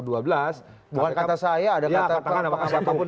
bukan kata saya ada kata apa pun